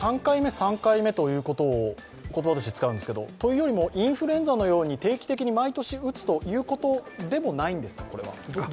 ３回目ということを言葉として使うんですけどというよりもインフルエンザのように定期的に毎年打つということでもないんですか。